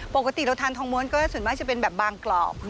ปกติเราทานทองม้วนก็ส่วนมากจะเป็นแบบบางกรอบ